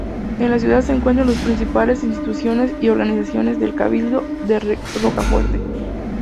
En la ciudad se encuentran las principales instituciones y organizaciones del cabildo de Rocafuerte.